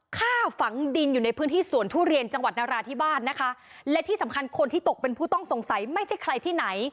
ฆ่าฝังดินอยู่ในพื้นที่สวนทุเรียนจังหวัดนาราธิวาสนะคะ